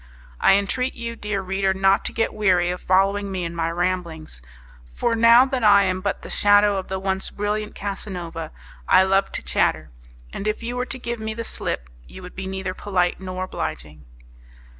I entreat you, dear reader, not to get weary of following me in my ramblings; for now that I am but the shadow of the once brilliant Casanova, I love to chatter; and if you were to give me the slip, you would be neither polite nor obliging.